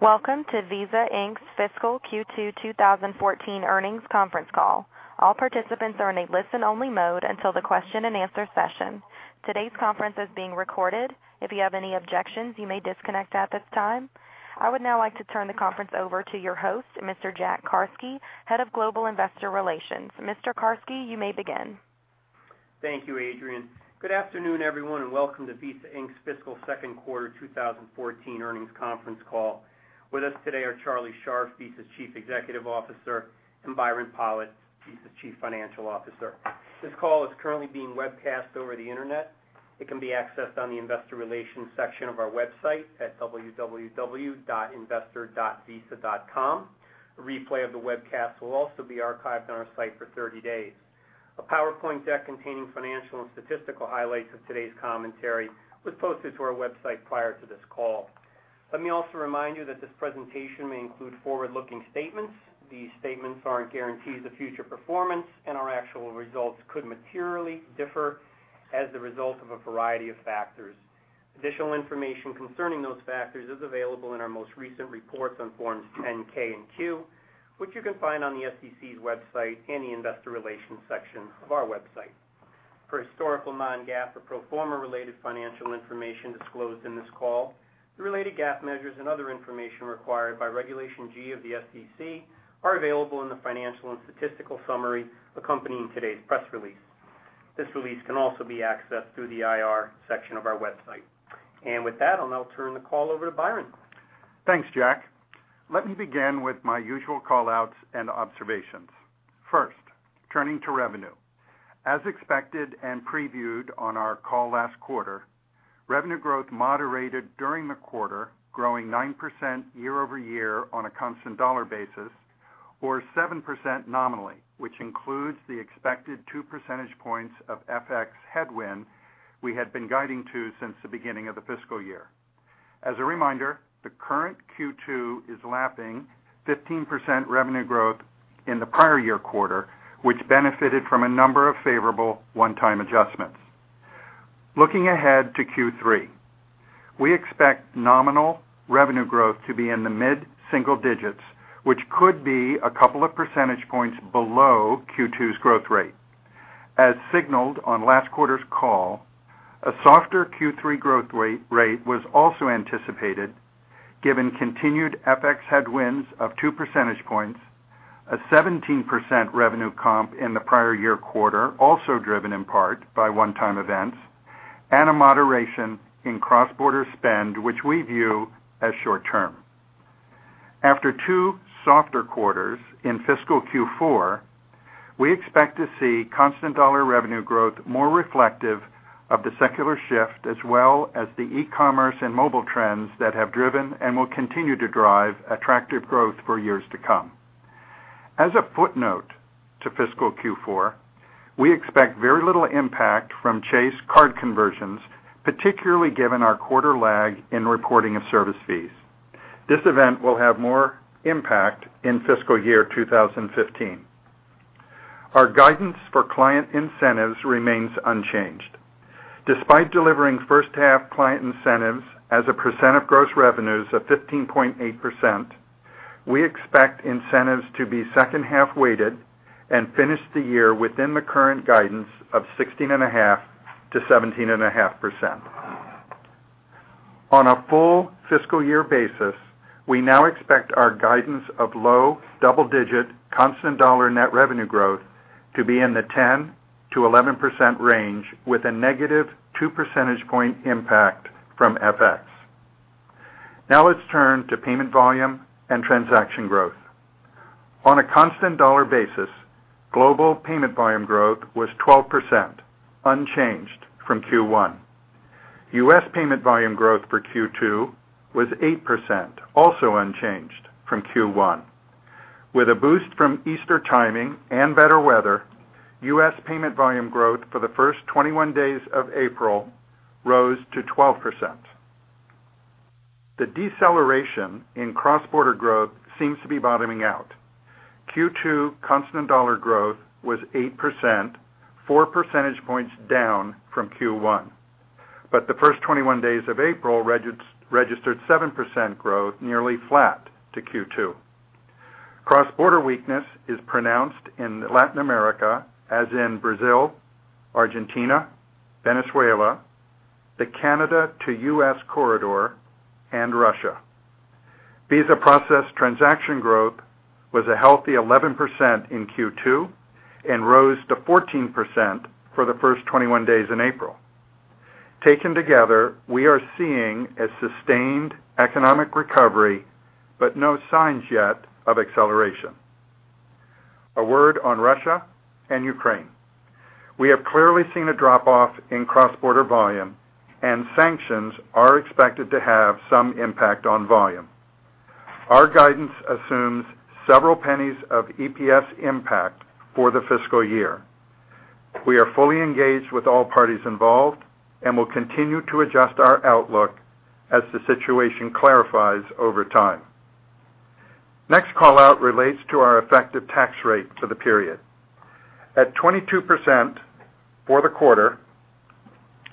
Welcome to Visa Inc.'s fiscal Q2 2014 earnings conference call. All participants are in a listen-only mode until the question-and-answer session. Today's conference is being recorded. If you have any objections, you may disconnect at this time. I would now like to turn the conference over to your host, Mr. Jack Carsky, head of Global Investor Relations. Mr. Carsky, you may begin. Thank you, Adrienne. Good afternoon, everyone, and welcome to Visa Inc.'s fiscal second quarter 2014 earnings conference call. With us today are Charlie Scharf, Visa's Chief Executive Officer, and Byron Pollitt, Visa's Chief Financial Officer. This call is currently being webcast over the Internet. It can be accessed on the Investor Relations section of our website at www.investor.visa.com. A replay of the webcast will also be archived on our site for 30 days. A PowerPoint deck containing financial and statistical highlights of today's commentary was posted to our website prior to this call. Let me also remind you that this presentation may include forward-looking statements. These statements aren't guarantees of future performance, and our actual results could materially differ as the result of a variety of factors. Additional information concerning those factors is available in our most recent reports on Forms 10-K and 10-Q, which you can find on the SEC's website and the Investor Relations section of our website. For historical non-GAAP or pro forma-related financial information disclosed in this call, the related GAAP measures and other information required by Regulation G of the SEC are available in the financial and statistical summary accompanying today's press release. This release can also be accessed through the IR section of our website. And with that, I'll now turn the call over to Byron. Thanks, Jack. Let me begin with my usual callouts and observations. First, turning to revenue. As expected and previewed on our call last quarter, revenue growth moderated during the quarter, growing 9% year-over-year on a constant dollar basis or 7% nominally, which includes the expected two percentage points of FX headwind we had been guiding to since the beginning of the fiscal year. As a reminder, the current Q2 is lapping 15% revenue growth in the prior year quarter, which benefited from a number of favorable one-time adjustments. Looking ahead to Q3, we expect nominal revenue growth to be in the mid-single digits, which could be a couple of percentage points below Q2's growth rate. As signaled on last quarter's call, a softer Q3 growth rate was also anticipated, given continued FX headwinds of two percentage points, a 17% revenue comp in the prior year quarter, also driven in part by one-time events, and a moderation in cross-border spend, which we view as short-term. After two softer quarters in fiscal Q4, we expect to see constant dollar revenue growth more reflective of the secular shift as well as the e-commerce and mobile trends that have driven and will continue to drive attractive growth for years to come. As a footnote to fiscal Q4, we expect very little impact from Chase card conversions, particularly given our quarter lag in reporting of service fees. This event will have more impact in fiscal year 2015. Our guidance for client incentives remains unchanged. Despite delivering first-half client incentives as a percent of gross revenues of 15.8%, we expect incentives to be second-half weighted and finish the year within the current guidance of 16.5% to 17.5%. On a full fiscal year basis, we now expect our guidance of low double-digit constant dollar net revenue growth to be in the 10% to 11% range with a negative two percentage point impact from FX. Now let's turn to payment volume and transaction growth. On a constant dollar basis, global payment volume growth was 12%, unchanged from Q1. U.S. payment volume growth for Q2 was 8%, also unchanged from Q1. With a boost from Easter timing and better weather, U.S. payment volume growth for the first 21 days of April rose to 12%. The deceleration in cross-border growth seems to be bottoming out. Q2 constant dollar growth was 8%, four percentage points down from Q1. But the first 21 days of April registered 7% growth, nearly flat to Q2. Cross-border weakness is pronounced in Latin America, as in Brazil, Argentina, Venezuela, the Canada-to-U.S. corridor, and Russia. Visa-processed transaction growth was a healthy 11% in Q2 and rose to 14% for the first 21 days in April. Taken together, we are seeing a sustained economic recovery, but no signs yet of acceleration. A word on Russia and Ukraine. We have clearly seen a drop-off in cross-border volume, and sanctions are expected to have some impact on volume. Our guidance assumes several pennies of EPS impact for the fiscal year. We are fully engaged with all parties involved and will continue to adjust our outlook as the situation clarifies over time. Next callout relates to our effective tax rate for the period. At 22% for the quarter,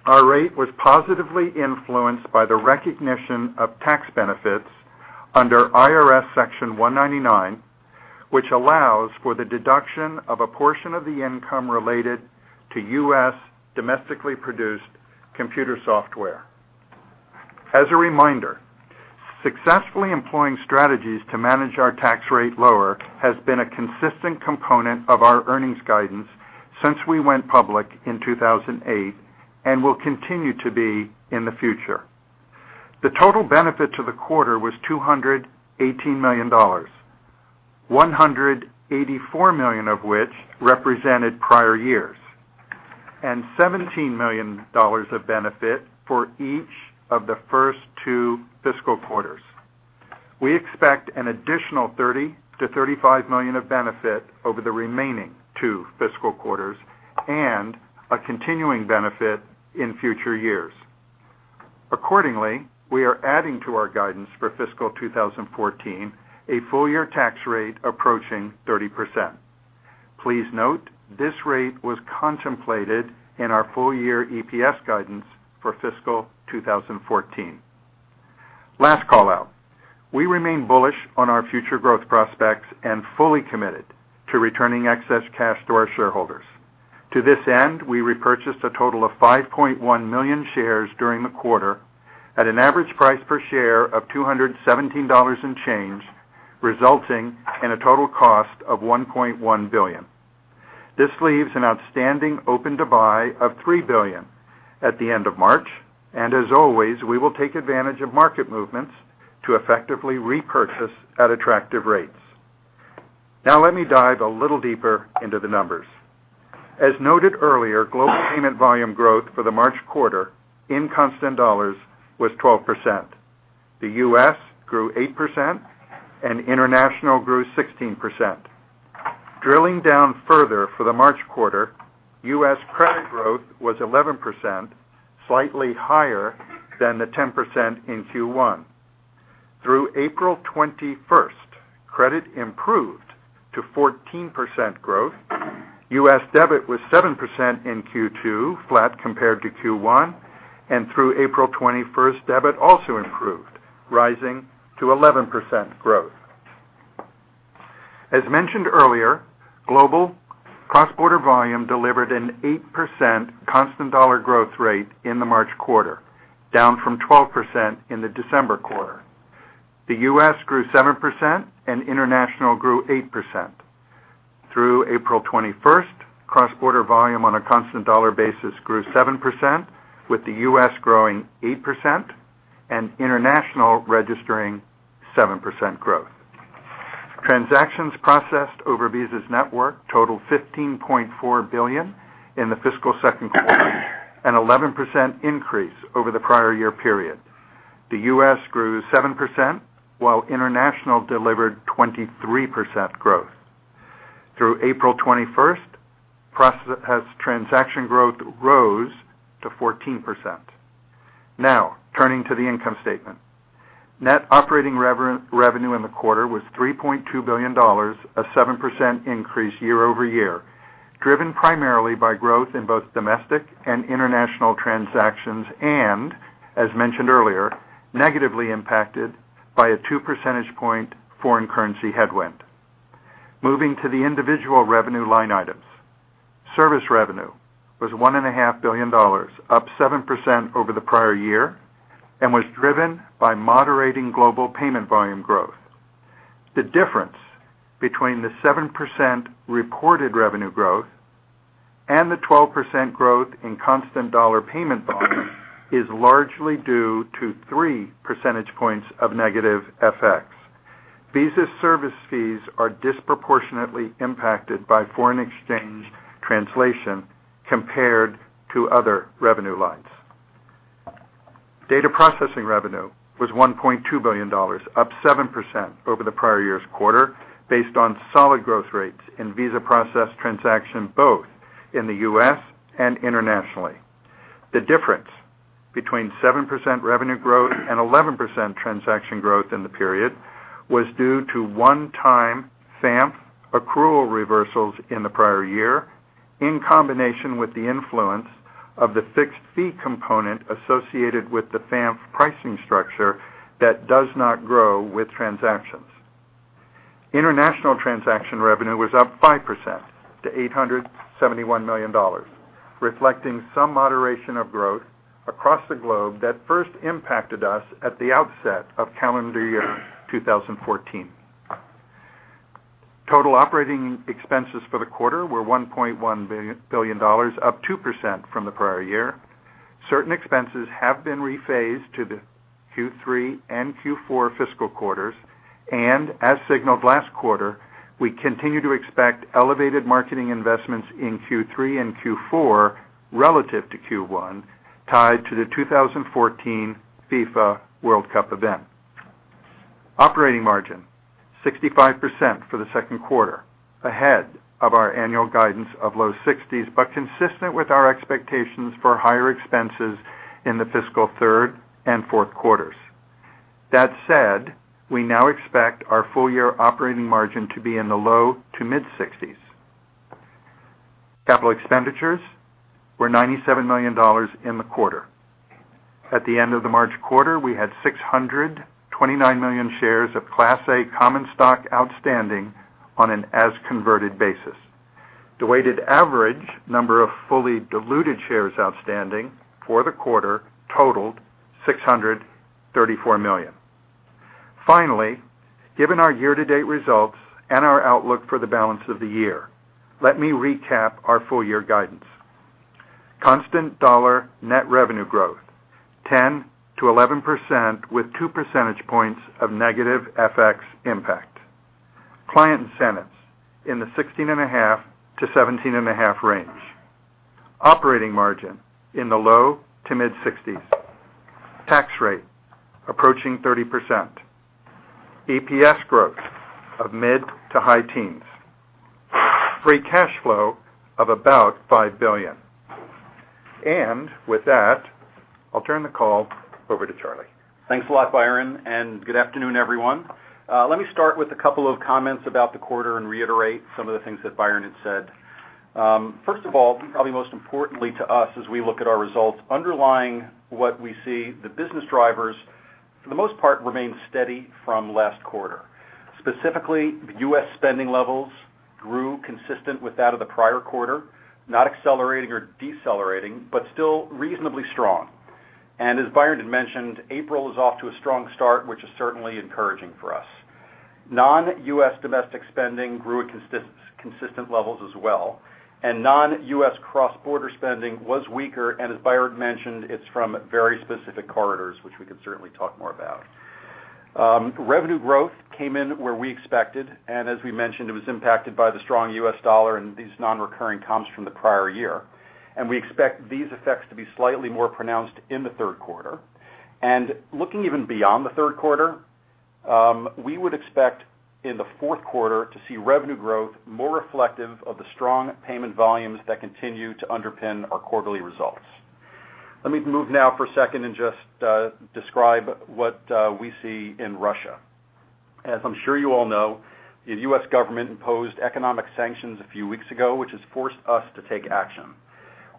our rate was positively influenced by the recognition of tax benefits under IRS Section 199, which allows for the deduction of a portion of the income related to U.S. domestically produced computer software. As a reminder, successfully employing strategies to manage our tax rate lower has been a consistent component of our earnings guidance since we went public in 2008 and will continue to be in the future. The total benefit to the quarter was $218 million, $184 million of which represented prior years, and $17 million of benefit for each of the first two fiscal quarters. We expect an additional $30-$35 million of benefit over the remaining two fiscal quarters and a continuing benefit in future years. Accordingly, we are adding to our guidance for fiscal 2014 a full-year tax rate approaching 30%. Please note this rate was contemplated in our full-year EPS guidance for fiscal 2014. Last callout. We remain bullish on our future growth prospects and fully committed to returning excess cash to our shareholders. To this end, we repurchased a total of 5.1 million shares during the quarter at an average price per share of $217 and change, resulting in a total cost of $1.1 billion. This leaves an outstanding open to buy of $3 billion at the end of March, and as always, we will take advantage of market movements to effectively repurchase at attractive rates. Now let me dive a little deeper into the numbers. As noted earlier, global payment volume growth for the March quarter in constant dollars was 12%. The U.S. grew 8% and international grew 16%. Drilling down further for the March quarter, U.S. credit growth was 11%, slightly higher than the 10% in Q1. Through April 21st, credit improved to 14% growth. U.S. debit was 7% in Q2, flat compared to Q1, and through April 21st, debit also improved, rising to 11% growth. As mentioned earlier, global cross-border volume delivered an 8% constant dollar growth rate in the March quarter, down from 12% in the December quarter. The U.S. grew 7% and international grew 8%. Through April 21st, cross-border volume on a constant dollar basis grew 7%, with the U.S. growing 8% and international registering 7% growth. Transactions processed over Visa's network totaled $15.4 billion in the fiscal second quarter, an 11% increase over the prior year period. The U.S. grew 7% while international delivered 23% growth. Through April 21st, processed transaction growth rose to 14%. Now turning to the income statement. Net operating revenue in the quarter was $3.2 billion, a 7% increase year-over-year, driven primarily by growth in both domestic and international transactions and, as mentioned earlier, negatively impacted by a two percentage points foreign currency headwind. Moving to the individual revenue line items. Service revenue was $1.5 billion, up 7% over the prior year, and was driven by moderating global payment volume growth. The difference between the 7% reported revenue growth and the 12% growth in constant dollar payment volume is largely due to three percentage points of negative FX. Visa service fees are disproportionately impacted by foreign exchange translation compared to other revenue lines. Data processing revenue was $1.2 billion, up 7% over the prior year's quarter, based on solid growth rates in Visa processed transactions both in the U.S. and internationally. The difference between 7% revenue growth and 11% transaction growth in the period was due to one-time FANF accrual reversals in the prior year in combination with the influence of the fixed fee component associated with the FANF pricing structure that does not grow with transactions. International transaction revenue was up 5% to $871 million, reflecting some moderation of growth across the globe that first impacted us at the outset of calendar year 2014. Total operating expenses for the quarter were $1.1 billion, up 2% from the prior year. Certain expenses have been rephased to the Q3 and Q4 fiscal quarters, and as signaled last quarter, we continue to expect elevated marketing investments in Q3 and Q4 relative to Q1 tied to the 2014 FIFA World Cup event. Operating margin: 65% for the second quarter, ahead of our annual guidance of low 60s, but consistent with our expectations for higher expenses in the fiscal third and fourth quarters. That said, we now expect our full-year operating margin to be in the low to mid-60s. Capital expenditures were $97 million in the quarter. At the end of the March quarter, we had 629 million shares of Class A common stock outstanding on an as-converted basis. The weighted average number of fully diluted shares outstanding for the quarter totaled 634 million. Finally, given our year-to-date results and our outlook for the balance of the year, let me recap our full-year guidance. Constant dollar net revenue growth: 10% to 11% with two percentage points of negative FX impact. Client incentives in the 16.5% to 17.5% range. Operating margin in the low to mid-60s. Tax rate approaching 30%. EPS growth of mid to high teens. Free cash flow of about $5 billion. And with that, I'll turn the call over to Charlie. Thanks a lot, Byron, and good afternoon, everyone. Let me start with a couple of comments about the quarter and reiterate some of the things that Byron had said. First of all, probably most importantly to us as we look at our results, underlying what we see, the business drivers for the most part remain steady from last quarter. Specifically, the U.S. spending levels grew consistent with that of the prior quarter, not accelerating or decelerating, but still reasonably strong. And as Byron had mentioned, April is off to a strong start, which is certainly encouraging for us. Non-U.S. domestic spending grew at consistent levels as well, and non-U.S. cross-border spending was weaker, and as Byron mentioned, it's from very specific corridors, which we can certainly talk more about. Revenue growth came in where we expected, and as we mentioned, it was impacted by the strong U.S. dollar and these non-recurring comps from the prior year, and we expect these effects to be slightly more pronounced in the third quarter, and looking even beyond the third quarter, we would expect in the fourth quarter to see revenue growth more reflective of the strong payment volumes that continue to underpin our quarterly results. Let me move now for a second and just describe what we see in Russia. As I'm sure you all know, the U.S. government imposed economic sanctions a few weeks ago, which has forced us to take action.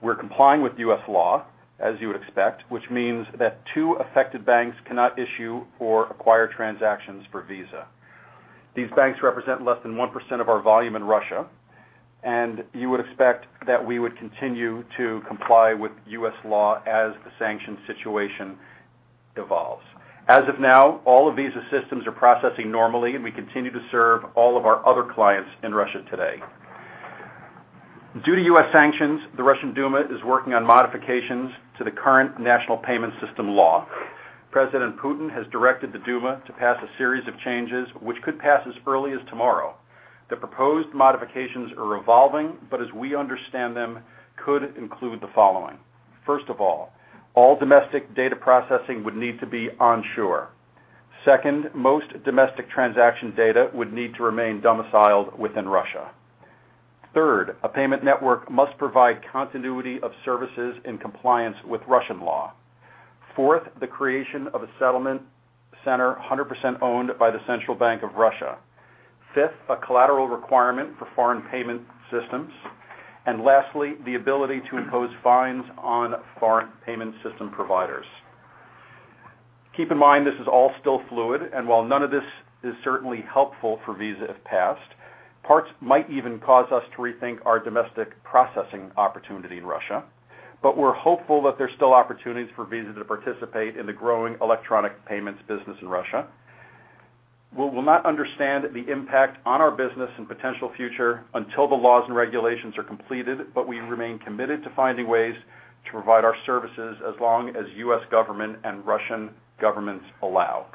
We're complying with U.S. law, as you would expect, which means that two affected banks cannot issue or acquire transactions for Visa. These banks represent less than 1% of our volume in Russia, and you would expect that we would continue to comply with U.S. law as the sanction situation evolves. As of now, all of Visa's systems are processing normally, and we continue to serve all of our other clients in Russia today. Due to U.S. sanctions, the Russian Duma is working on modifications to the current national payment system law. President Putin has directed the Duma to pass a series of changes, which could pass as early as tomorrow. The proposed modifications are evolving, but as we understand them, could include the following. First of all, all domestic data processing would need to be onshore. Second, most domestic transaction data would need to remain domiciled within Russia. Third, a payment network must provide continuity of services in compliance with Russian law. Fourth, the creation of a settlement center 100% owned by the Central Bank of Russia. Fifth, a collateral requirement for foreign payment systems. And lastly, the ability to impose fines on foreign payment system providers. Keep in mind, this is all still fluid, and while none of this is certainly helpful for Visa if passed, parts might even cause us to rethink our domestic processing opportunity in Russia. But we're hopeful that there's still opportunities for Visa to participate in the growing electronic payments business in Russia. We will not understand the impact on our business and potential future until the laws and regulations are completed, but we remain committed to finding ways to provide our services as long as U.S. government and Russian governments allow.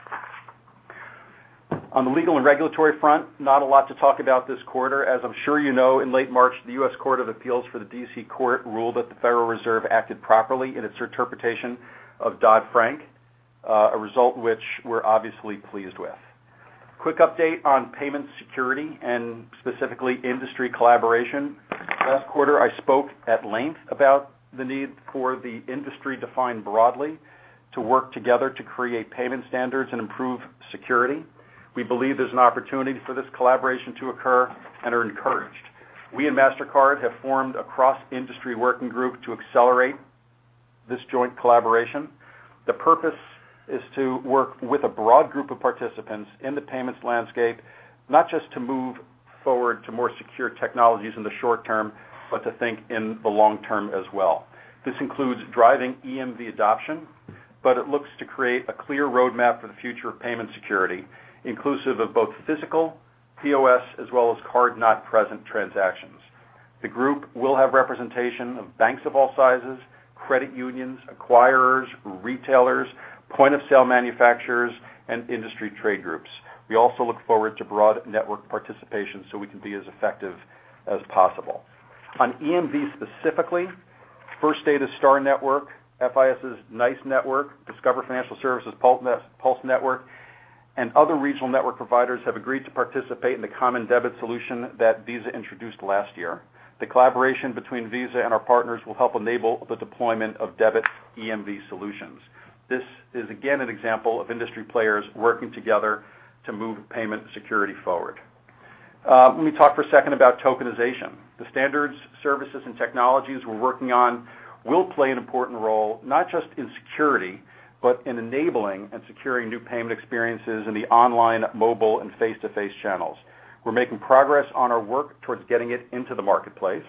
On the legal and regulatory front, not a lot to talk about this quarter. As I'm sure you know, in late March, the U.S. Court of Appeals for the D.C. Circuit ruled that the Federal Reserve acted properly in its interpretation of Dodd-Frank, a result which we're obviously pleased with. Quick update on payment security and specifically industry collaboration. Last quarter, I spoke at length about the need for the industry defined broadly to work together to create payment standards and improve security. We believe there's an opportunity for this collaboration to occur and are encouraged. We at Visa have formed a cross-industry working group to accelerate this joint collaboration. The purpose is to work with a broad group of participants in the payments landscape, not just to move forward to more secure technologies in the short term, but to think in the long term as well. This includes driving EMV adoption, but it looks to create a clear roadmap for the future of payment security, inclusive of both physical POS as well as card-not-present transactions. The group will have representation of banks of all sizes, credit unions, acquirers, retailers, point-of-sale manufacturers, and industry trade groups. We also look forward to broad network participation so we can be as effective as possible. On EMV specifically, First Data STAR Network, FIS's NYCE Network, Discover Financial Services Pulse Network, and other regional network providers have agreed to participate in the common debit solution that Visa introduced last year. The collaboration between Visa and our partners will help enable the deployment of debit EMV solutions. This is again an example of industry players working together to move payment security forward. Let me talk for a second about tokenization. The standards, services, and technologies we're working on will play an important role not just in security, but in enabling and securing new payment experiences in the online, mobile, and face-to-face channels. We're making progress on our work towards getting it into the marketplace.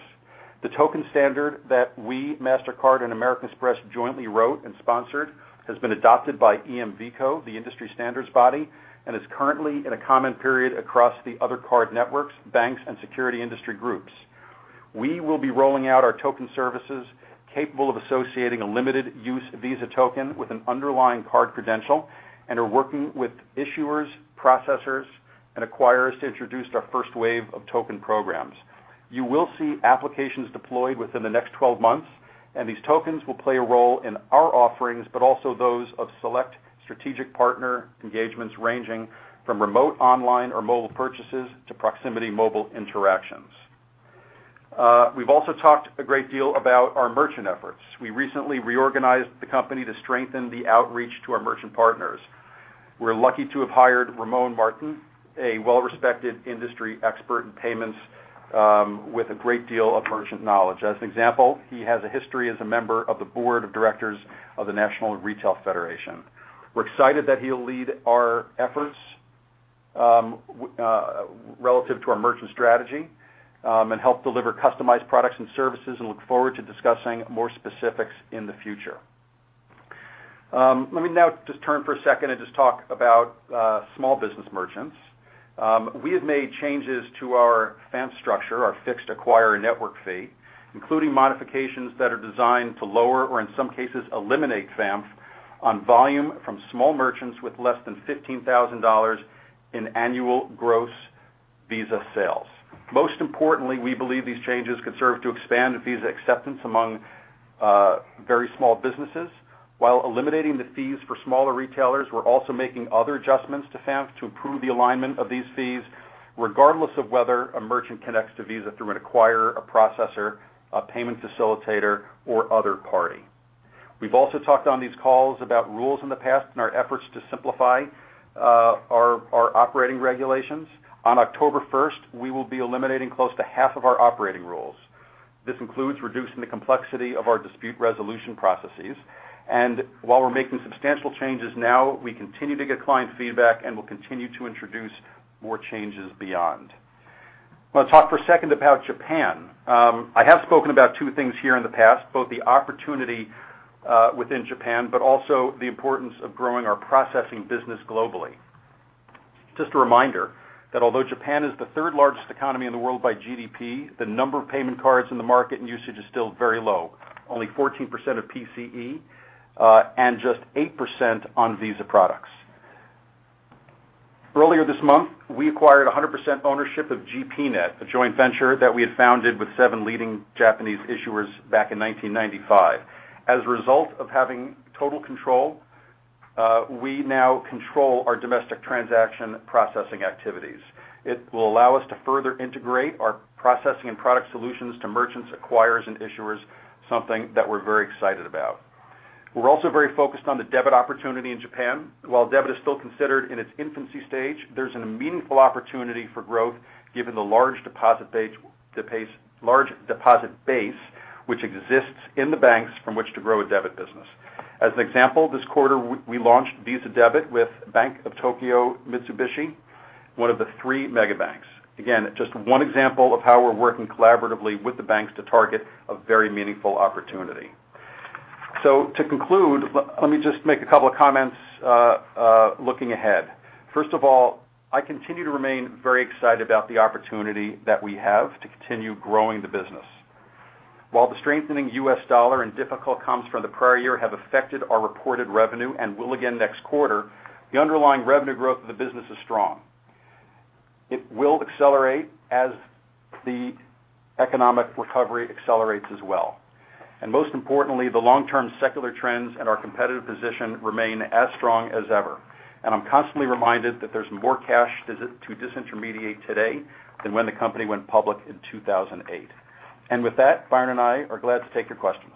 The token standard that we, MasterCard and American Express, jointly wrote and sponsored has been adopted by EMVCo, the industry standards body, and is currently in a comment period across the other card networks, banks, and security industry groups. We will be rolling out our token services capable of associating a limited-use Visa token with an underlying card credential and are working with issuers, processors, and acquirers to introduce our first wave of token programs. You will see applications deployed within the next 12 months, and these tokens will play a role in our offerings, but also those of select strategic partner engagements ranging from remote online or mobile purchases to proximity mobile interactions. We've also talked a great deal about our merchant efforts. We recently reorganized the company to strengthen the outreach to our merchant partners. We're lucky to have hired Ramon Martin, a well-respected industry expert in payments with a great deal of merchant knowledge. As an example, he has a history as a member of the board of directors of the National Retail Federation. We're excited that he'll lead our efforts relative to our merchant strategy and help deliver customized products and services and look forward to discussing more specifics in the future. Let me now just turn for a second and just talk about small business merchants. We have made changes to our FANF structure, our Fixed Acquirer Network Fee, including modifications that are designed to lower or, in some cases, eliminaNte FANF on volume from small merchants with less than $15,000 in annual gross Visa sales. Most importantly, we believe these changes could serve to expand Visa acceptance among very small businesses. While eliminating the fees for smaller retailers, we're also making other adjustments to FANF to improve the alignment of these fees, regardless of whether a merchant connects to Visa through an acquirer, a processor, a payment facilitator, or other party. We've also talked on these calls about rules in the past and our efforts to simplify our operating regulations. On October 1st, we will be eliminating close to half of our operating rules. This includes reducing the complexity of our dispute resolution processes. And while we're making substantial changes now, we continue to get client feedback and will continue to introduce more changes beyond. I want to talk for a second about Japan. I have spoken about two things here in the past, both the opportunity within Japan, but also the importance of growing our processing business globally. Just a reminder that although Japan is the third largest economy in the world by GDP, the number of payment cards in the market and usage is still very low, only 14% of PCE and just 8% on Visa products. Earlier this month, we acquired 100% ownership of GPnet, a joint venture that we had founded with seven leading Japanese issuers back in 1995. As a result of having total control, we now control our domestic transaction processing activities. It will allow us to further integrate our processing and product solutions to merchants, acquirers, and issuers, something that we're very excited about. We're also very focused on the debit opportunity in Japan. While debit is still considered in its infancy stage, there's a meaningful opportunity for growth given the large deposit base, which exists in the banks from which to grow a debit business. As an example, this quarter, we launched Visa Debit with Bank of Tokyo-Mitsubishi, one of the three mega banks. Again, just one example of how we're working collaboratively with the banks to target a very meaningful opportunity. So to conclude, let me just make a couple of comments looking ahead. First of all, I continue to remain very excited about the opportunity that we have to continue growing the business. While the strengthening U.S. dollar and difficult comps from the prior year have affected our reported revenue and will again next quarter, the underlying revenue growth of the business is strong. It will accelerate as the economic recovery accelerates as well. And most importantly, the long-term secular trends and our competitive position remain as strong as ever. And I'm constantly reminded that there's more cash to disintermediate today than when the company went public in 2008. And with that, Byron and I are glad to take your questions.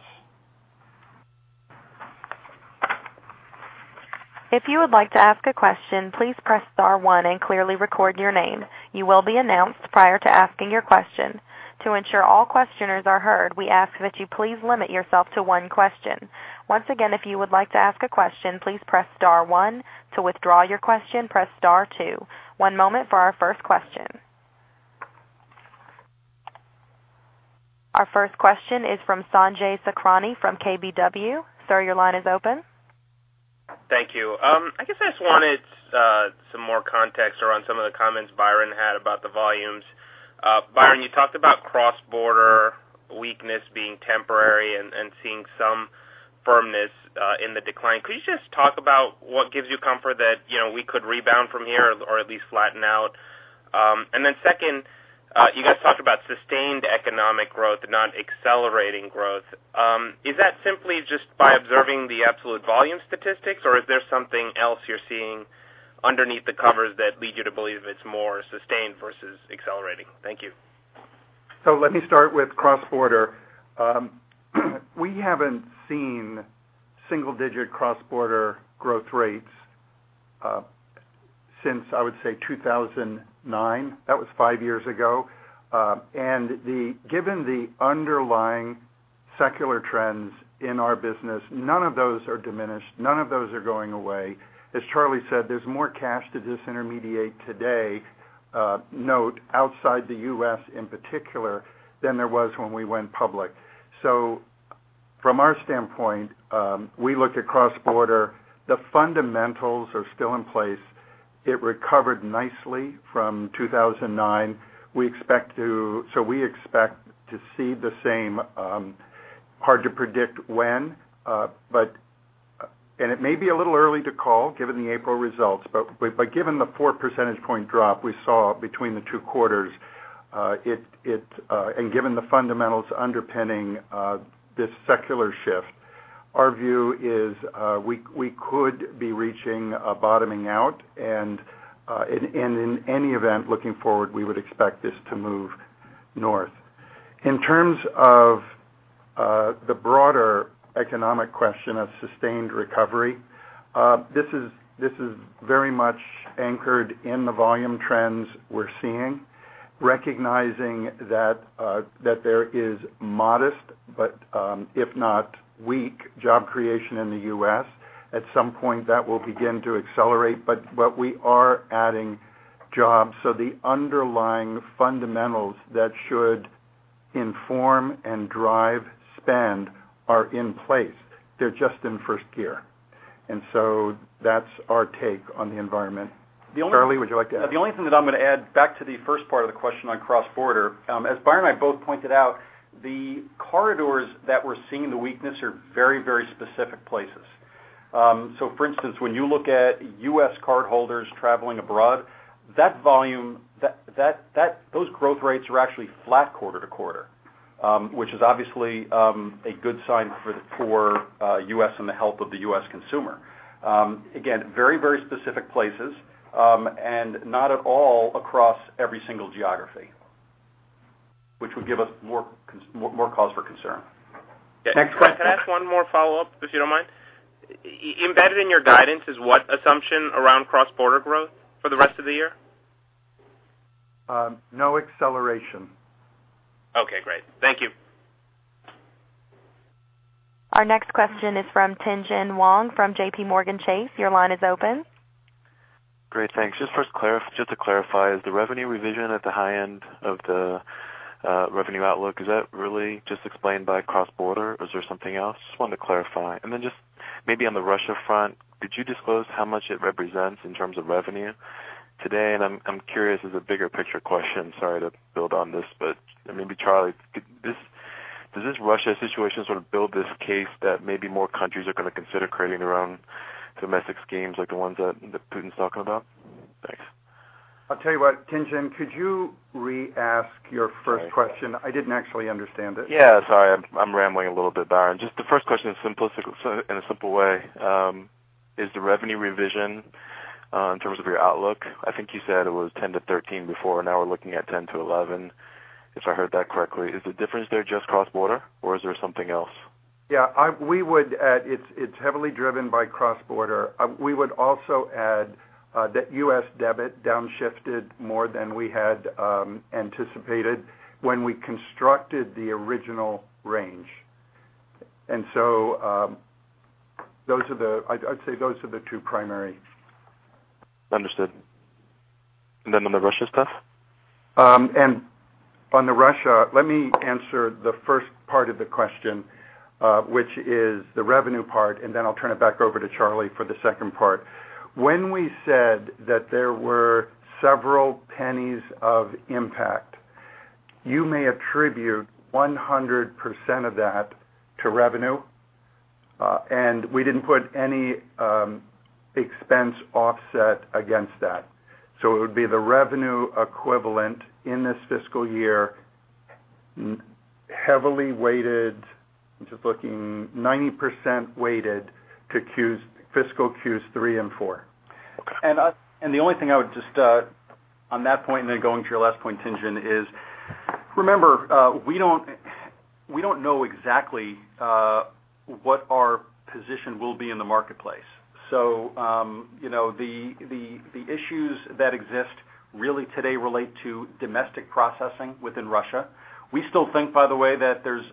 If you would like to ask a question, please press star one and clearly record your name. You will be announced prior to asking your question. To ensure all questioners are heard, we ask that you please limit yourself to one question. Once again, if you would like to ask a question, please press star one. To withdraw your question, press star two. One moment for our first question. Our first question is from Sanjay Sakhrani from KBW. Sir, your line is open. Thank you. I guess I just wanted some more context around some of the comments Byron had about the volumes. Byron, you talked about cross-border weakness being temporary and seeing some firmness in the decline. Could you just talk about what gives you comfort that we could rebound from here or at least flatten out? And then second, you guys talked about sustained economic growth, not accelerating growth. Is that simply just by observing the absolute volume statistics, or is there something else you're seeing underneath the covers that leads you to believe it's more sustained versus accelerating? Thank you. So let me start with cross-border. We haven't seen single-digit cross-border growth rates since, I would say, 2009. That was five years ago. And given the underlying secular trends in our business, none of those are diminished. None of those are going away. As Charlie said, there's more cash to disintermediate today, not outside the U.S. in particular, than there was when we went public. So from our standpoint, we look at cross-border. The fundamentals are still in place. It recovered nicely from 2009. So we expect to see the same. Hard to predict when, but it may be a little early to call given the April results. But given the 4 percentage point drop we saw between the two quarters and given the fundamentals underpinning this secular shift, our view is we could be reaching a bottoming out. And in any event, looking forward, we would expect this to move north. In terms of the broader economic question of sustained recovery, this is very much anchored in the volume trends we're seeing, recognizing that there is modest, but if not weak, job creation in the U.S. At some point, that will begin to accelerate. But we are adding jobs. So the underlying fundamentals that should inform and drive spend are in place. They're just in first gear. And so that's our take on the environment. Charlie, would you like to add? The only thing that I'm going to add back to the first part of the question on cross-border, as Byron and I both pointed out, the corridors that we're seeing the weakness are very, very specific places. So for instance, when you look at U.S. cardholders traveling abroad, those growth rates are actually flat quarter to quarter, which is obviously a good sign for the core U.S. and the health of the U.S. consumer. Again, very, very specific places and not at all across every single geography, which would give us more cause for concern. Next question. Can I ask one more follow-up, if you don't mind? Embedded in your guidance is what assumption around cross-border growth for the rest of the year? No acceleration. Okay. Great. Thank you. Our next question is from Tien-tsin Huang from JPMorgan Chase. Your line is open. Great. Thanks. Just to clarify, is the revenue revision at the high end of the revenue outlook, is that really just explained by cross-border, or is there something else? Just wanted to clarify. And then just maybe on the Russia front, could you disclose how much it represents in terms of revenue today? And I'm curious; it's a bigger picture question. Sorry to build on this, but maybe Charlie, does this Russia situation sort of build this case that maybe more countries are going to consider creating their own domestic schemes like the ones that Putin's talking about? Thanks. I'll tell you what, Tien-tsin, could you re-ask your first question? I didn't actually understand it. Yeah. Sorry. I'm rambling a little bit, Byron. Just the first question in a simple way: is the revenue revision in terms of your outlook? I think you said it was 10 to 13 before, and now we're looking at 10 to 11, if I heard that correctly. Is the difference there just cross-border, or is there something else? Yeah. It's heavily driven by cross-border. We would also add that U.S. debit downshifted more than we had anticipated when we constructed the original range. And so those are the, I'd say, those are the two primary. Understood. And then on the Russia stuff? And on Russia, let me answer the first part of the question, which is the revenue part, and then I'll turn it back over to Charlie for the second part. When we said that there were several pennies of impact, you may attribute 100% of that to revenue, and we didn't put any expense offset against that. So it would be the revenue equivalent in this fiscal year heavily weighted. I'm just looking. 90% weighted to fiscal Q3 and Q4. The only thing I would just on that point and then going to your last point, Tien-tsin, is remember, we don't know exactly what our position will be in the marketplace. So the issues that exist really today relate to domestic processing within Russia. We still think, by the way, that there's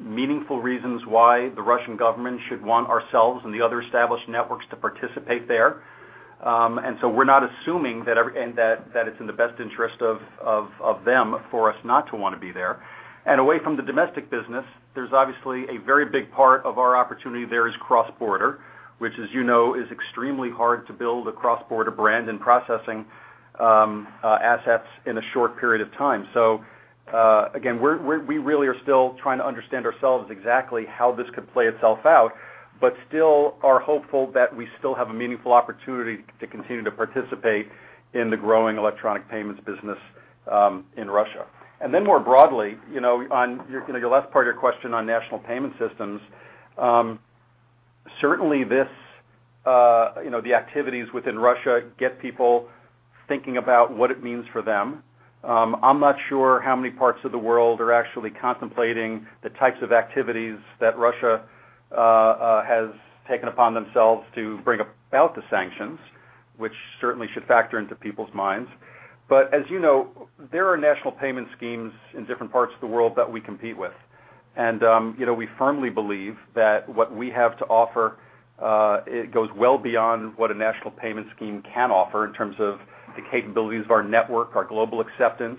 meaningful reasons why the Russian government should want ourselves and the other established networks to participate there. And so we're not assuming that it's in the best interest of them for us not to want to be there. And away from the domestic business, there's obviously a very big part of our opportunity there is cross-border, which, as you know, is extremely hard to build a cross-border brand and processing assets in a short period of time. So again, we really are still trying to understand ourselves exactly how this could play itself out, but still are hopeful that we still have a meaningful opportunity to continue to participate in the growing electronic payments business in Russia. And then more broadly, on your last part of your question on national payment systems, certainly the activities within Russia get people thinking about what it means for them. I'm not sure how many parts of the world are actually contemplating the types of activities that Russia has taken upon themselves to bring about the sanctions, which certainly should factor into people's minds. But as you know, there are national payment schemes in different parts of the world that we compete with. We firmly believe that what we have to offer goes well beyond what a national payment scheme can offer in terms of the capabilities of our network, our global acceptance,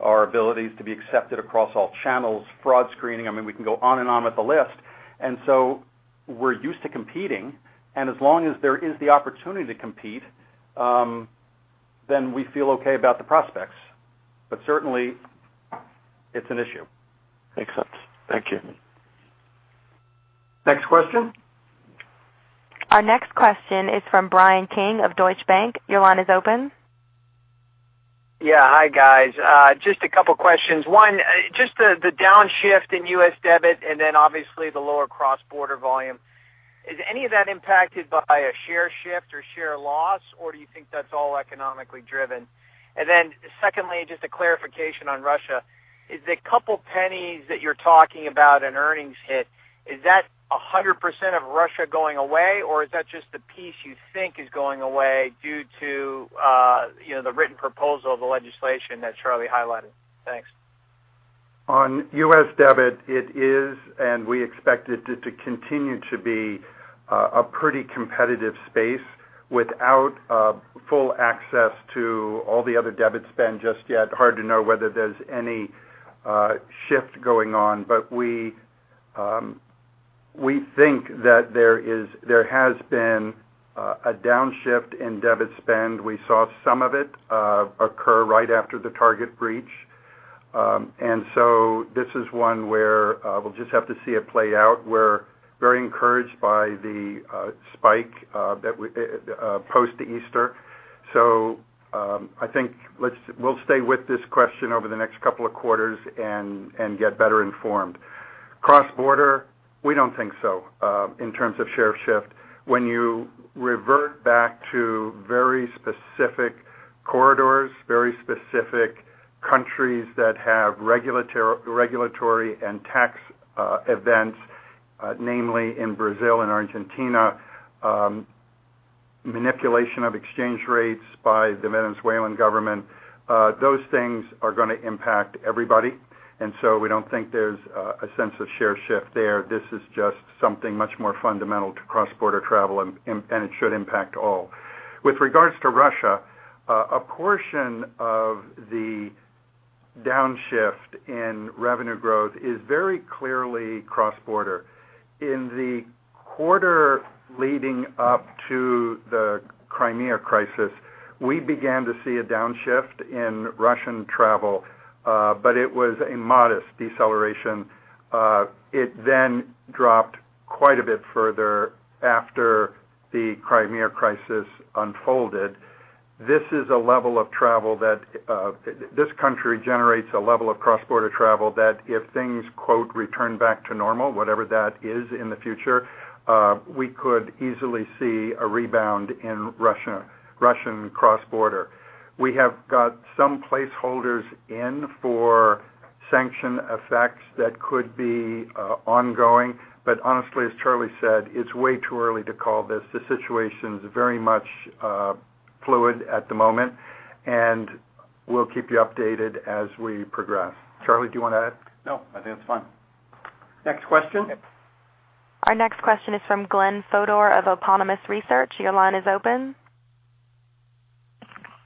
our abilities to be accepted across all channels, fraud screening. I mean, we can go on and on with the list. And so we're used to competing. And as long as there is the opportunity to compete, then we feel okay about the prospects. But certainly, it's an issue. Makes sense. Thank you. Next question. Our next question is from Bryan Keane of Deutsche Bank. Your line is open. Yeah. Hi, guys. Just a couple of questions. One, just the downshift in U.S. debit and then obviously the lower cross-border volume, is any of that impacted by a share shift or share loss, or do you think that's all economically driven? And then secondly, just a clarification on Russia, is the couple pennies that you're talking about in earnings hit, is that 100% of Russia going away, or is that just the piece you think is going away due to the written proposal of the legislation that Charlie highlighted? Thanks. On U.S. debit, it is, and we expect it to continue to be a pretty competitive space without full access to all the other debit spend just yet. Hard to know whether there's any shift going on, but we think that there has been a downshift in debit spend. We saw some of it occur right after the target breach. And so this is one where we'll just have to see it play out. We're very encouraged by the spike post-Easter. So I think we'll stay with this question over the next couple of quarters and get better informed. Cross-border, we don't think so in terms of share shift. When you revert back to very specific corridors, very specific countries that have regulatory and tax events, namely in Brazil and Argentina, manipulation of exchange rates by the Venezuelan government, those things are going to impact everybody. And so we don't think there's a sense of share shift there. This is just something much more fundamental to cross-border travel, and it should impact all. With regards to Russia, a portion of the downshift in revenue growth is very clearly cross-border. In the quarter leading up to the Crimea crisis, we began to see a downshift in Russian travel, but it was a modest deceleration. It then dropped quite a bit further after the Crimea crisis unfolded. This is a level of travel that this country generates a level of cross-border travel that if things "return back to normal," whatever that is in the future, we could easily see a rebound in Russian cross-border. We have got some placeholders in for sanction effects that could be ongoing. But honestly, as Charlie said, it's way too early to call this. The situation is very much fluid at the moment, and we'll keep you updated as we progress. Charlie, do you want to add? No, I think that's fine. Next question. Our next question is from Glenn Fodor of Autonomous Research. Your line is open.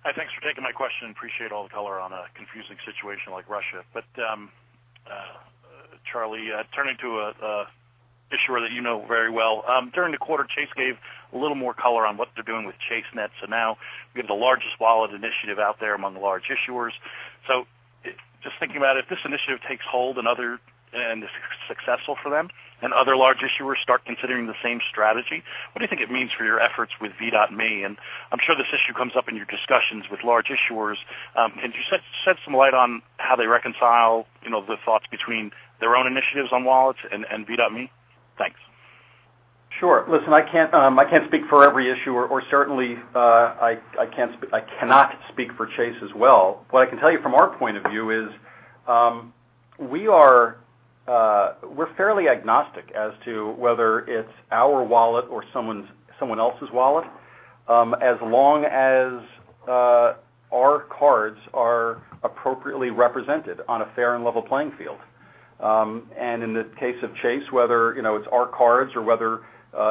Hi, thanks for taking my question. Appreciate all the color on a confusing situation like Russia. But Charlie, turning to an issuer that you know very well, during the quarter, Chase gave a little more color on what they're doing with ChaseNet. So now we have the largest wallet initiative out there among large issuers. So just thinking about it, if this initiative takes hold and is successful for them and other large issuers start considering the same strategy, what do you think it means for your efforts with V.me? And I'm sure this issue comes up in your discussions with large issuers. Can you shed some light on how they reconcile the thoughts between their own initiatives on wallets and V.me? Thanks. Sure. Listen, I can't speak for every issuer, or certainly I cannot speak for Chase as well. What I can tell you from our point of view is we're fairly agnostic as to whether it's our wallet or someone else's wallet, as long as our cards are appropriately represented on a fair and level playing field. In the case of Chase, whether it's our cards or whether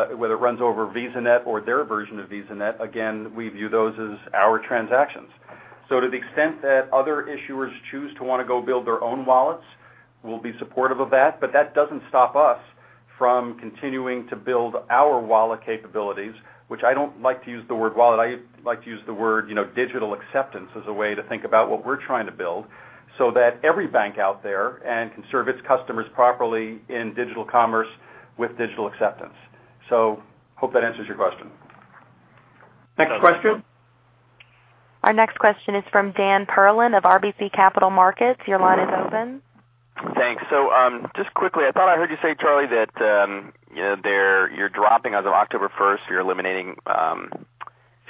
it runs over VisaNet or their version of VisaNet, again, we view those as our transactions. So to the extent that other issuers choose to want to go build their own wallets, we'll be supportive of that. But that doesn't stop us from continuing to build our wallet capabilities, which I don't like to use the word wallet. I like to use the word digital acceptance as a way to think about what we're trying to build so that every bank out there can serve its customers properly in digital commerce with digital acceptance. So hope that answers your question. Next question. Our next question is from Dan Perlin of RBC Capital Markets. Your line is open. Thanks. So just quickly, I thought I heard you say, Charlie, that you're dropping as of October 1st, you're eliminating,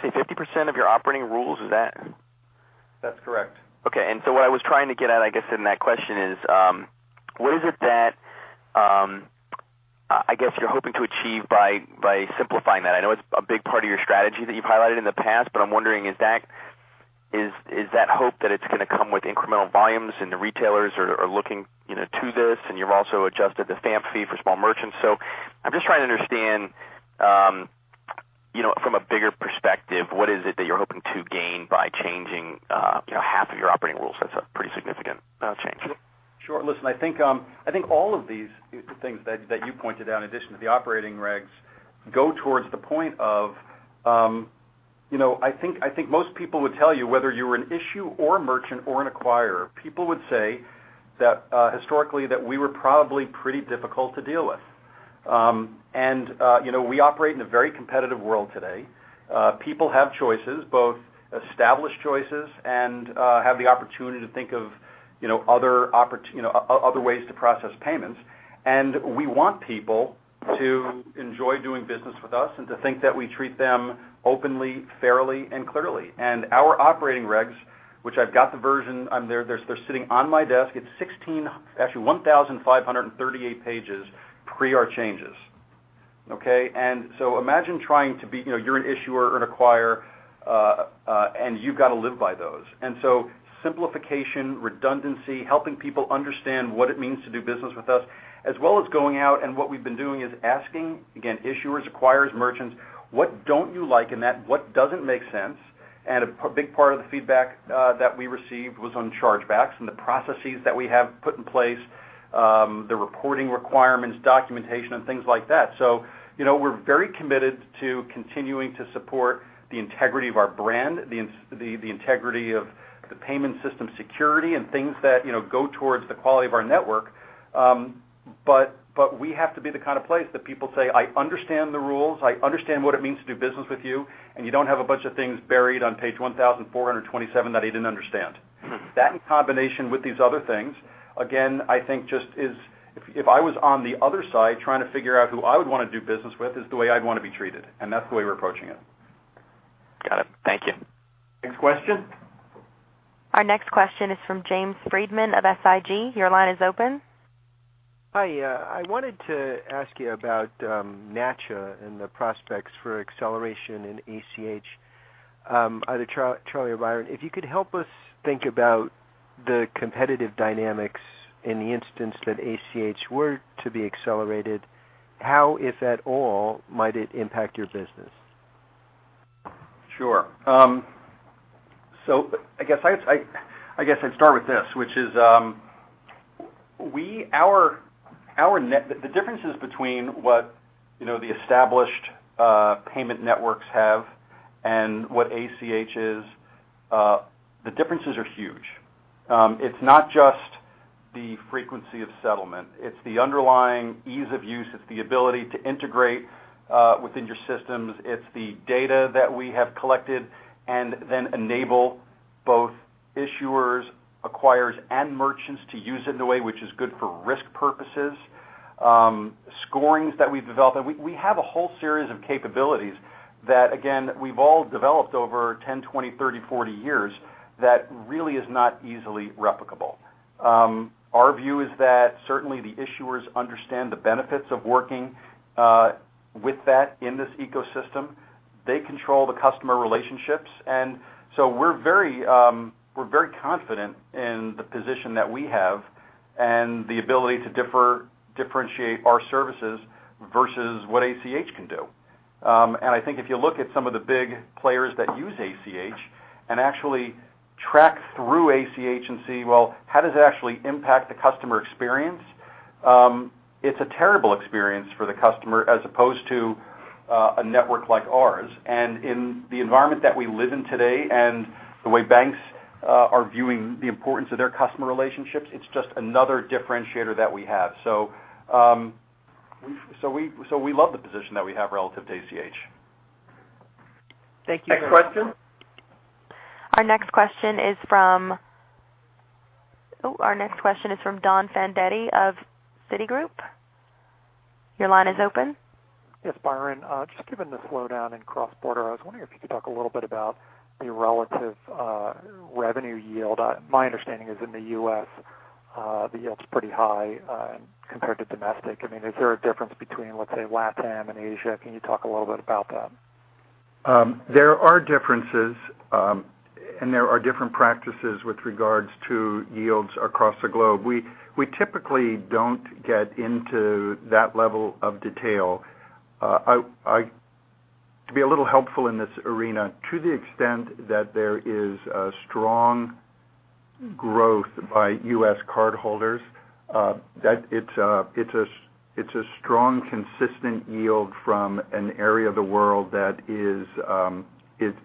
say, 50% of your operating rules. Is that? That's correct. Okay. And so what I was trying to get at, I guess, in that question is what is it that I guess you're hoping to achieve by simplifying that? I know it's a big part of your strategy that you've highlighted in the past, but I'm wondering, is that hope that it's going to come with incremental volumes and the retailers are looking to this? And you've also adjusted the stamp fee for small merchants. So I'm just trying to understand from a bigger perspective, what is it that you're hoping to gain by changing half of your operating rules? That's a pretty significant change. Sure. Listen, I think all of these things that you pointed out, in addition to the operating regs, go towards the point of I think most people would tell you whether you were an issuer or a merchant or an acquirer, people would say that historically that we were probably pretty difficult to deal with. And we operate in a very competitive world today. People have choices, both established choices, and have the opportunity to think of other ways to process payments. And we want people to enjoy doing business with us and to think that we treat them openly, fairly, and clearly. And our operating regs, which I've got the version, they're sitting on my desk. It's 16, actually 1,538 pages pre-our changes. Okay? And so imagine trying to be you're an issuer or an acquirer, and you've got to live by those. And so simplification, redundancy, helping people understand what it means to do business with us, as well as going out. And what we've been doing is asking, again, issuers, acquirers, merchants, what don't you like in that? What doesn't make sense? And a big part of the feedback that we received was on chargebacks and the processes that we have put in place, the reporting requirements, documentation, and things like that. So we're very committed to continuing to support the integrity of our brand, the integrity of the payment system security, and things that go towards the quality of our network. But we have to be the kind of place that people say, "I understand the rules. I understand what it means to do business with you, and you don't have a bunch of things buried on page 1,427 that I didn't understand." That, in combination with these other things, again, I think, just is if I was on the other side trying to figure out who I would want to do business with, is the way I'd want to be treated. And that's the way we're approaching it. Got it. Thank you. Next question. Our next question is from James Friedman of SIG. Your line is open. Hi. I wanted to ask you about NACHA and the prospects for acceleration in ACH. Charlie or Byron, if you could help us think about the competitive dynamics in the instance that ACH were to be accelerated, how, if at all, might it impact your business? Sure. I guess I'd start with this, which is the differences between what the established payment networks have and what ACH is. The differences are huge. It's not just the frequency of settlement. It's the underlying ease of use. It's the ability to integrate within your systems. It's the data that we have collected and then enable both issuers, acquirers, and merchants to use it in a way which is good for risk purposes. Scorings that we've developed, and we have a whole series of capabilities that, again, we've all developed over 10, 20, 30, 40 years that really is not easily replicable. Our view is that certainly the issuers understand the benefits of working with that in this ecosystem. They control the customer relationships. And so we're very confident in the position that we have and the ability to differentiate our services versus what ACH can do. And I think if you look at some of the big players that use ACH and actually track through ACH and see, well, how does it actually impact the customer experience, it's a terrible experience for the customer as opposed to a network like ours. And in the environment that we live in today and the way banks are viewing the importance of their customer relationships, it's just another differentiator that we have. So we love the position that we have relative to ACH. Thank you. Next question. Our next question is from Don Fandetti of Citigroup. Your line is open. Yes, Byron. Just given the slowdown in cross-border, I was wondering if you could talk a little bit about the relative revenue yield. My understanding is in the U.S., the yield's pretty high compared to domestic. I mean, is there a difference between, let's say, LATAM and Asia? Can you talk a little bit about that? There are differences, and there are different practices with regards to yields across the globe. We typically don't get into that level of detail. To be a little helpful in this arena, to the extent that there is strong growth by U.S. cardholders, it's a strong, consistent yield from an area of the world that is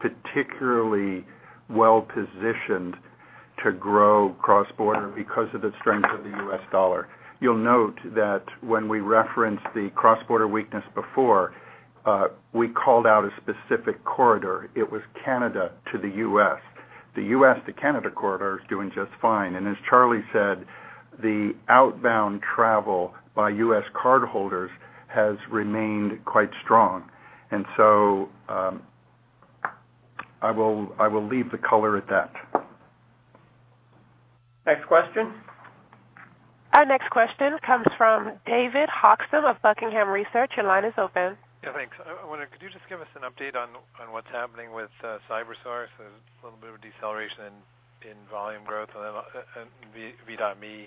particularly well-positioned to grow cross-border because of the strength of the U.S. dollar. You'll note that when we referenced the cross-border weakness before, we called out a specific corridor. It was Canada to the U.S. The U.S. to Canada corridor is doing just fine. And as Charlie said, the outbound travel by U.S. cardholders has remained quite strong. And so I will leave the color at that. Next question. Our next question comes from David Hochstim of Buckingham Research. Your line is open. Yeah, thanks. Could you just give us an update on what's happening with CyberSource, a little bit of deceleration in volume growth, and then V.me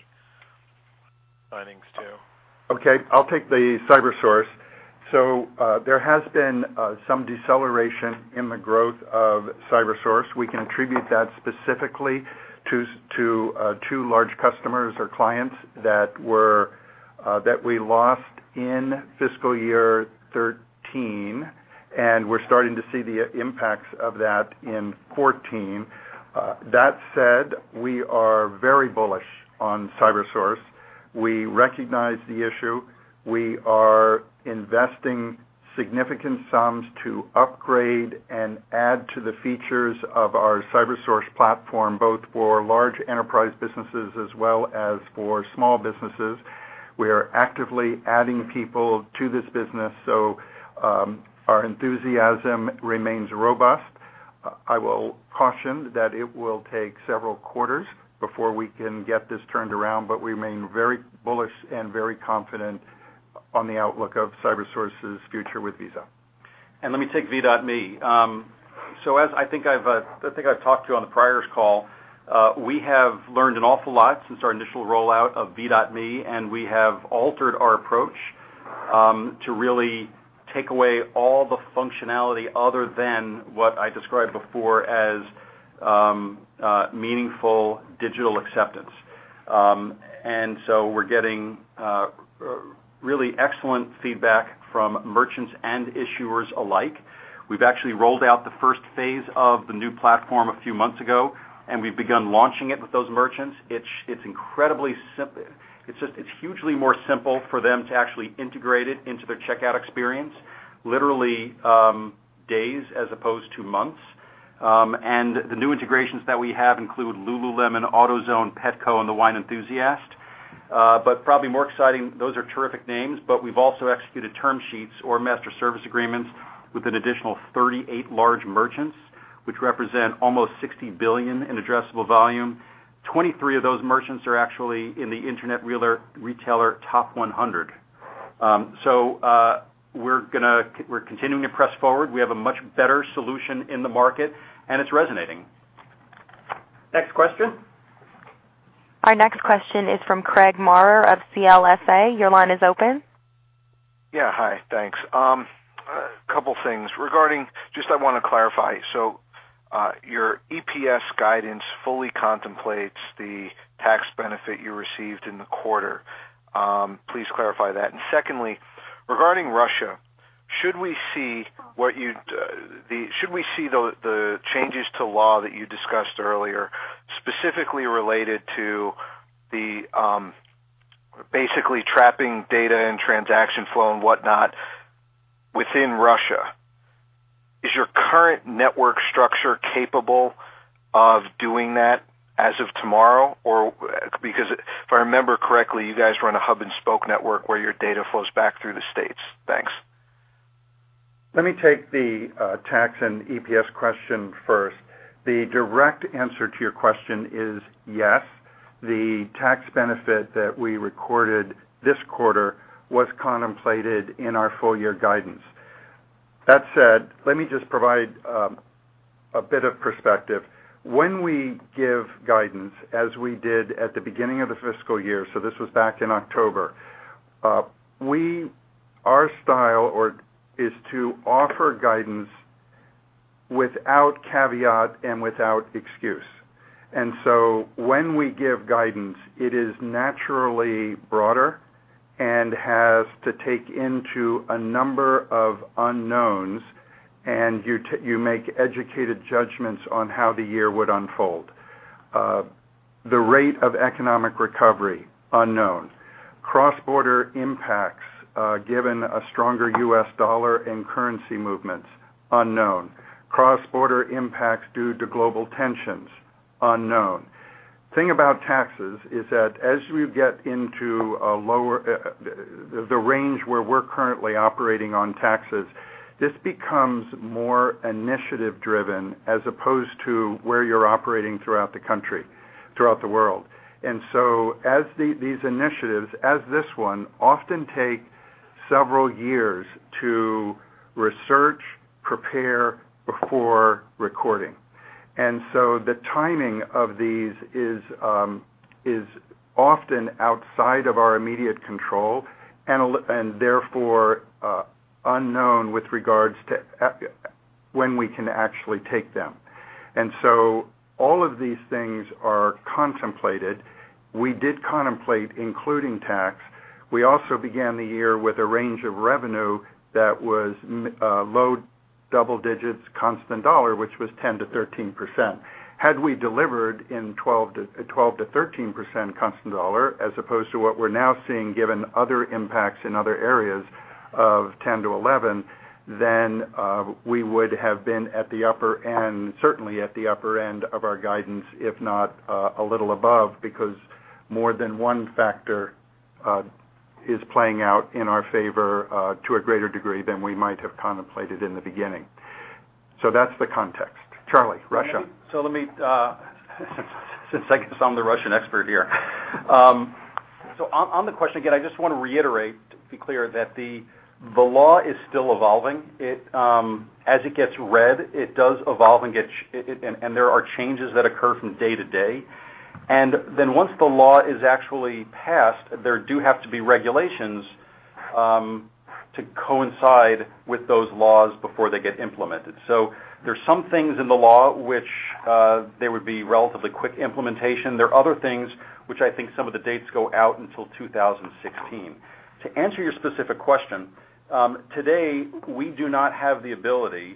signings too. Okay. I'll take the CyberSource. So there has been some deceleration in the growth of CyberSource. We can attribute that specifically to two large customers or clients that we lost in fiscal year 2013, and we're starting to see the impacts of that in 2014. That said, we are very bullish on CyberSource. We recognize the issue. We are investing significant sums to upgrade and add to the features of our CyberSource platform, both for large enterprise businesses as well as for small businesses. We are actively adding people to this business, so our enthusiasm remains robust. I will caution that it will take several quarters before we can get this turned around, but we remain very bullish and very confident on the outlook of CyberSource's future with Visa, and let me take V.me. I think I've talked to you on the prior's call. We have learned an awful lot since our initial rollout of V.me, and we have altered our approach to really take away all the functionality other than what I described before as meaningful digital acceptance, so we're getting really excellent feedback from merchants and issuers alike. We've actually rolled out the first phase of the new platform a few months ago, and we've begun launching it with those merchants. It's incredibly simple. It's hugely more simple for them to actually integrate it into their checkout experience, literally days as opposed to months. And the new integrations that we have include Lululemon, AutoZone, Petco, and The Wine Enthusiast. But probably more exciting, those are terrific names, but we've also executed term sheets or master service agreements with an additional 38 large merchants, which represent almost $60 billion in addressable volume. 23 of those merchants are actually in the Internet Retailer Top 100. So we're continuing to press forward. We have a much better solution in the market, and it's resonating. Next question. Our next question is from Craig Maurer of CLSA. Your line is open. Yeah. Hi. Thanks. A couple of things. Just I want to clarify. So your EPS guidance fully contemplates the tax benefit you received in the quarter. Please clarify that. Secondly, regarding Russia, should we see the changes to law that you discussed earlier, specifically related to basically trapping data and transaction flow and whatnot within Russia? Is your current network structure capable of doing that as of tomorrow? Because if I remember correctly, you guys run a hub-and-spoke network where your data flows back through the states. Thanks. Let me take the tax and EPS question first. The direct answer to your question is yes. The tax benefit that we recorded this quarter was contemplated in our full-year guidance. That said, let me just provide a bit of perspective. When we give guidance, as we did at the beginning of the fiscal year, so this was back in October, our style is to offer guidance without caveat and without excuse. And so when we give guidance, it is naturally broader and has to take into a number of unknowns, and you make educated judgments on how the year would unfold. The rate of economic recovery, unknown. Cross-border impacts given a stronger U.S. dollar and currency movements, unknown. Cross-border impacts due to global tensions, unknown. The thing about taxes is that as you get into the range where we're currently operating on taxes, this becomes more initiative-driven as opposed to where you're operating throughout the country, throughout the world. And so these initiatives, as this one, often take several years to research, prepare before recording. And so the timing of these is often outside of our immediate control and therefore unknown with regards to when we can actually take them. And so all of these things are contemplated. We did contemplate, including tax. We also began the year with a range of revenue that was low double digits constant dollar, which was 10%-13%. Had we delivered in 12%-13% constant dollar as opposed to what we're now seeing given other impacts in other areas of 10%-11%, then we would have been at the upper end, certainly at the upper end of our guidance, if not a little above, because more than one factor is playing out in our favor to a greater degree than we might have contemplated in the beginning. So that's the context. Charlie, Russia. So let me, since I guess I'm the Russian expert here. So on the question again, I just want to reiterate to be clear that the law is still evolving. As it gets read, it does evolve and there are changes that occur from day to day. And then, once the law is actually passed, there do have to be regulations to coincide with those laws before they get implemented. So there are some things in the law which there would be relatively quick implementation. There are other things which I think some of the dates go out until 2016. To answer your specific question, today we do not have the ability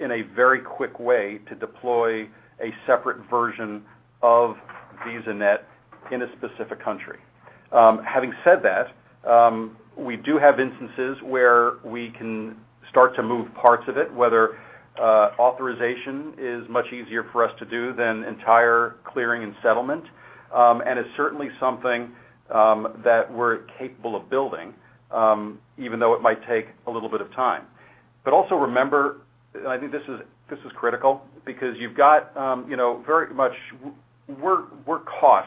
in a very quick way to deploy a separate version of VisaNet in a specific country. Having said that, we do have instances where we can start to move parts of it, whether authorization is much easier for us to do than entire clearing and settlement. And it's certainly something that we're capable of building, even though it might take a little bit of time. But also remember, and I think this is critical because you've got very much we're caught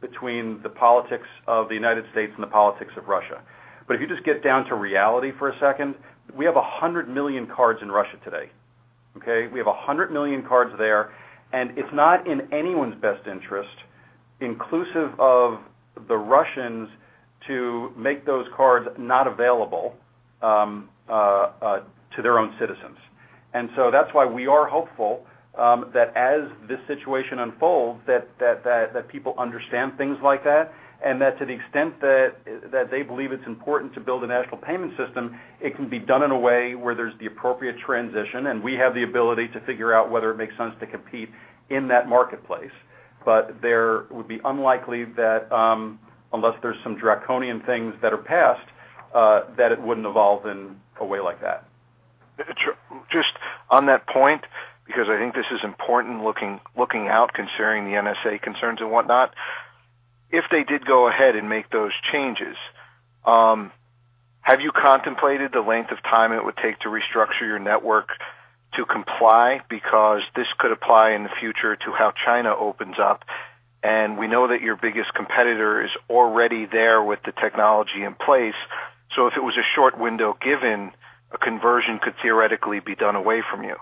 between the politics of the United States and the politics of Russia. But if you just get down to reality for a second, we have 100 million cards in Russia today. Okay? We have 100 million cards there, and it's not in anyone's best interest, inclusive of the Russians, to make those cards not available to their own citizens. And so that's why we are hopeful that as this situation unfolds, that people understand things like that, and that to the extent that they believe it's important to build a national payment system, it can be done in a way where there's the appropriate transition, and we have the ability to figure out whether it makes sense to compete in that marketplace. But it would be unlikely that unless there's some draconian things that are passed, that it wouldn't evolve in a way like that. Just on that point, because I think this is important looking out considering the NSA concerns and whatnot, if they did go ahead and make those changes, have you contemplated the length of time it would take to restructure your network to comply? Because this could apply in the future to how China opens up, and we know that your biggest competitor is already there with the technology in place. So if it was a short window given, a conversion could theoretically be done away from you.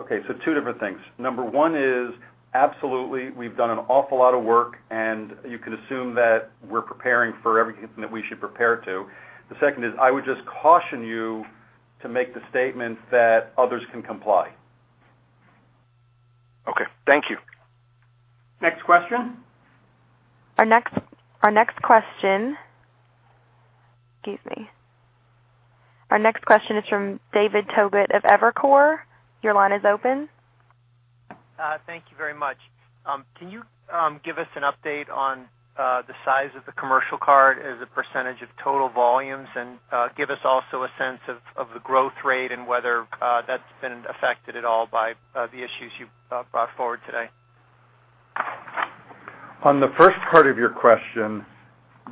Okay. So two different things. Number one is absolutely, we've done an awful lot of work, and you can assume that we're preparing for everything that we should prepare to. The second is I would just caution you to make the statement that others can comply. Okay. Thank you. Next question. Our next question, excuse me. Our next question is from David Togut of Evercore. Your line is open. Thank you very much. Can you give us an update on the size of the commercial card as a percentage of total volumes and give us also a sense of the growth rate and whether that's been affected at all by the issues you brought forward today? On the first part of your question,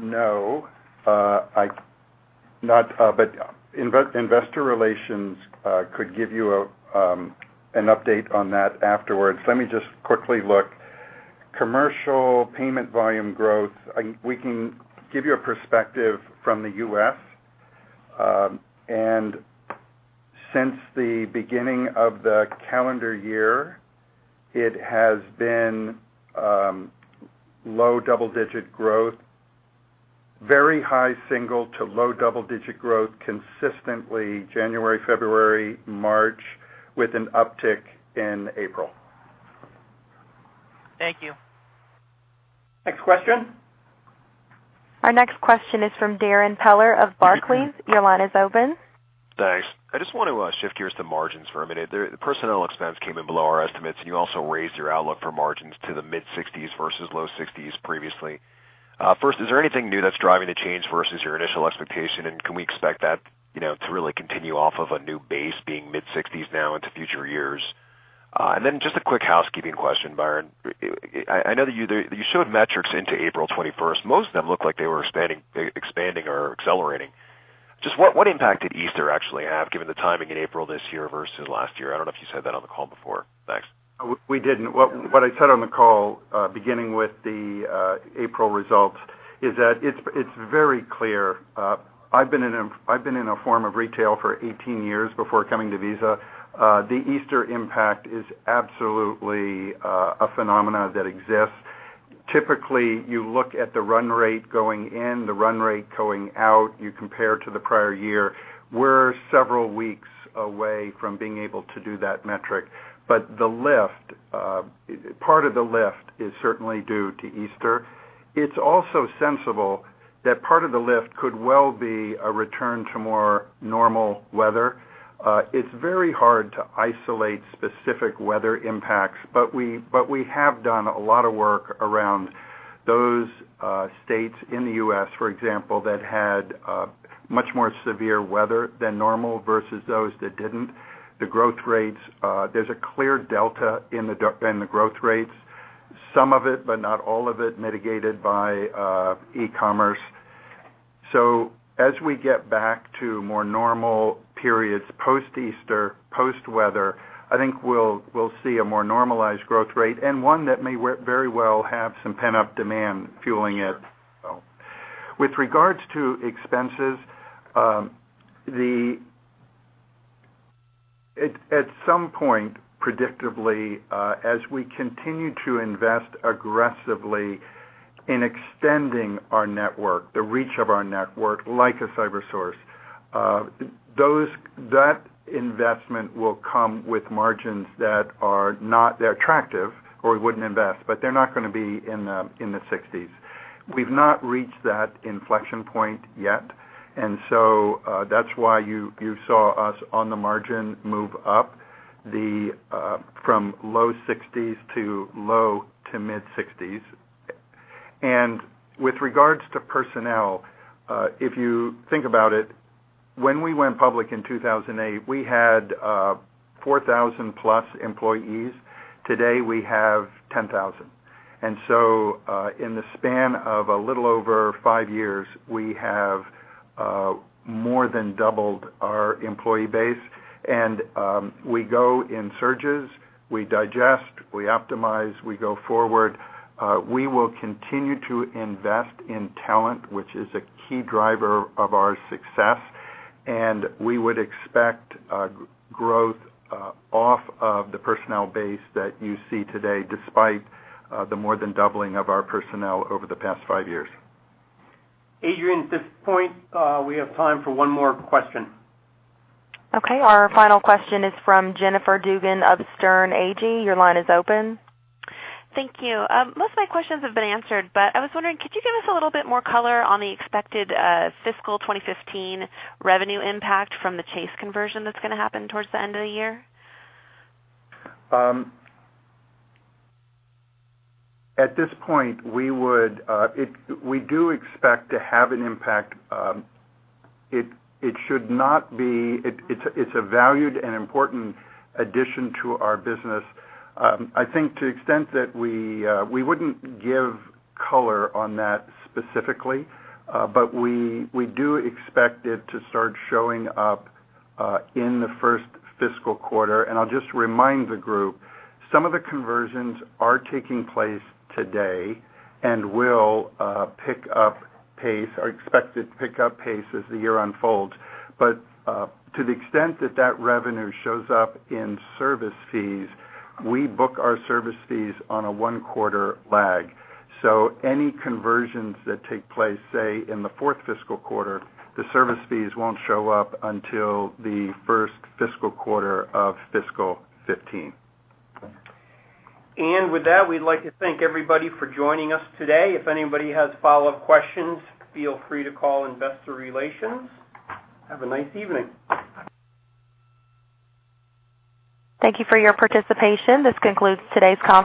no. But Investor Relations could give you an update on that afterwards. Let me just quickly look. Commercial payment volume growth, we can give you a perspective from the U.S. Since the beginning of the calendar year, it has been low double-digit growth, very high single to low double-digit growth consistently January, February, March, with an uptick in April. Thank you. Next question. Our next question is from Darrin Peller of Barclays. Your line is open. Thanks. I just want to shift gears to margins for a minute. The personnel expense came in below our estimates, and you also raised your outlook for margins to the mid-60s% versus low-60s% previously. First, is there anything new that's driving the change versus your initial expectation, and can we expect that to really continue off of a new base being mid-60s% now into future years? And then just a quick housekeeping question, Byron. I know that you showed metrics into April 21st. Most of them look like they were expanding or accelerating. Just what impact did Easter actually have given the timing in April this year versus last year? I don't know if you said that on the call before. Thanks. We didn't. What I said on the call, beginning with the April results, is that it's very clear. I've been in a form of retail for 18 years before coming to Visa. The Easter impact is absolutely a phenomenon that exists. Typically, you look at the run rate going in, the run rate going out, you compare to the prior year. We're several weeks away from being able to do that metric. But the lift, part of the lift is certainly due to Easter. It's also sensible that part of the lift could well be a return to more normal weather. It's very hard to isolate specific weather impacts, but we have done a lot of work around those states in the U.S., for example, that had much more severe weather than normal versus those that didn't. The growth rates, there's a clear delta in the growth rates, some of it, but not all of it, mitigated by e-commerce. So as we get back to more normal periods post-Easter, post-weather, I think we'll see a more normalized growth rate and one that may very well have some pent-up demand fueling it. With regards to expenses, at some point, predictably, as we continue to invest aggressively in extending our network, the reach of our network, like CyberSource, that investment will come with margins that are not attractive or we wouldn't invest, but they're not going to be in the 60s. We've not reached that inflection point yet. And so that's why you saw us on the margin move up from low 60s to low to mid-60s. And with regards to personnel, if you think about it, when we went public in 2008, we had 4,000-plus employees. Today, we have 10,000. And so in the span of a little over five years, we have more than doubled our employee base. And we go in surges, we digest, we optimize, we go forward. We will continue to invest in talent, which is a key driver of our success. And we would expect growth off of the personnel base that you see today, despite the more than doubling of our personnel over the past five years. Adrienne, at this point, we have time for one more question. Okay. Our final question is from Jennifer Dugan of Sterne Agee. Your line is open. Thank you. Most of my questions have been answered, but I was wondering, could you give us a little bit more color on the expected fiscal 2015 revenue impact from the Chase conversion that's going to happen towards the end of the year? At this point, we do expect to have an impact. It should not be. It's a valued and important addition to our business. I think to the extent that we wouldn't give color on that specifically, but we do expect it to start showing up in the first fiscal quarter. And I'll just remind the group, some of the conversions are taking place today and will pick up pace or expected to pick up pace as the year unfolds. But to the extent that revenue shows up in service fees, we book our service fees on a one-quarter lag. So any conversions that take place, say, in the fourth fiscal quarter, the service fees won't show up until the first fiscal quarter of fiscal 2015. And with that, we'd like to thank everybody for joining us today. If anybody has follow-up questions, feel free to call Investor Relations. Have a nice evening. Thank you for your participation. This concludes today's conference.